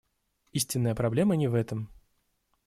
Истинная проблема не в этом.